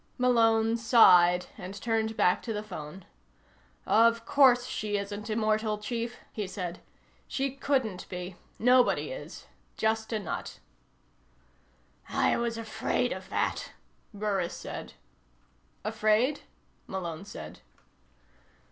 Malone sighed and turned back to the phone. "Of course she isn't immortal, Chief," he said. "She couldn't be. Nobody is. Just a nut." "I was afraid of that," Burris said. "Afraid?" Malone said.